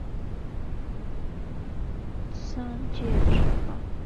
陶莉娟帮助于继光拆散了范守望与白活这对商界孖宝。